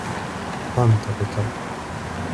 パン食べたい